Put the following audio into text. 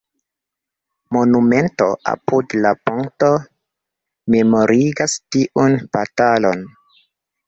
Monumento apud la ponto memorigas tiun batalon.